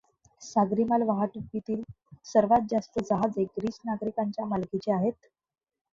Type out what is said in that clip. सागरी माल वाहतुकीतील सर्वांत जास्त जहाजे ग्रीस नागरीकांच्या मालकीची आहेत.